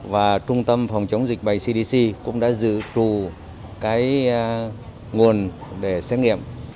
và trung tâm phòng chống dịch bệnh cdc cũng đã dự trù cái nguồn để xét nghiệm